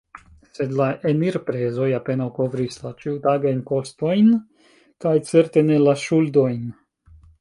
Sed la enirprezoj apenaŭ kovris la ĉiutagajn kostojn kaj certe ne la ŝuldojn.